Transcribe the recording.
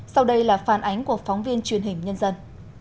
sau đây là phản ánh của phóng viên truyền hình nhân dân